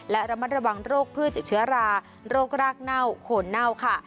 และระมัดระวังโรคพืชจากเชื้อราโรครากเน่าโคนเน่าค่ะ